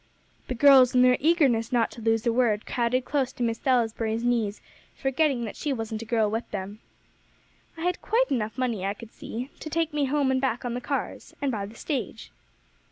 The girls, in their eagerness not to lose a word, crowded close to Miss Salisbury's knees, forgetting that she wasn't a girl with them. "I had quite enough money, I could see, to take me home and back on the cars, and by the stage."